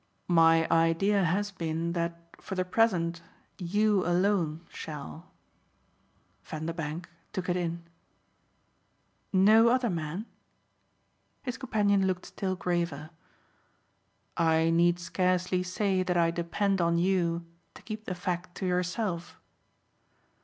"My idea has been that for the present you alone shall." Vanderbank took it in. "No other man?" His companion looked still graver. "I need scarcely say that I depend on you to keep the fact to yourself."